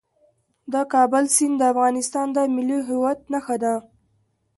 د کابل سیند د افغانستان د ملي هویت نښه ده.